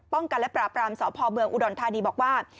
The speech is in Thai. ป้องกันและปราบรามสพอุดรทานีบอกว่า